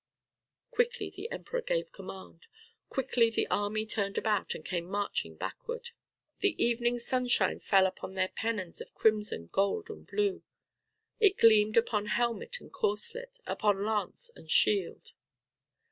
Quickly the Emperor gave command. Quickly the army turned about, and came marching backward. The evening sunshine fell upon their pennons of crimson, gold and blue, it gleamed upon helmet and corslet, upon lance and shield.